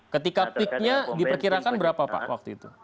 ketika peaknya diperkirakan berapa pak